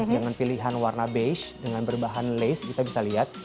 dengan pilihan warna base dengan berbahan lace kita bisa lihat